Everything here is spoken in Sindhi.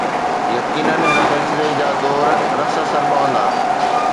يقينن، هن فيصلي جا دور رس اثر پوندا.